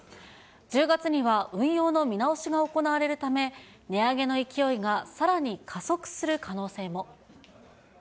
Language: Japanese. １０月には運用の見直しが行われるため、値上げの勢いがさらに加速する可能性も。